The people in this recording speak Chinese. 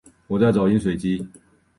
我在找饮水机